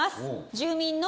住民の。